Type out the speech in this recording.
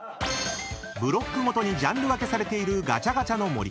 ［ブロックごとにジャンル分けされているガチャガチャの森］